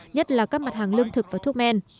nhất là các mặt hàng lương thực và thuốc men